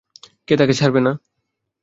কে তাকে ছাড়বে না?